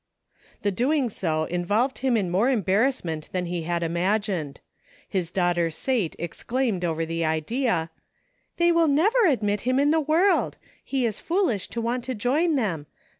The doing so in volved him in more embarrassment than he had imagined. His daughter Sate exclaimed over the idea: " They will never admit him in the world ! He !s foolish to want to join them.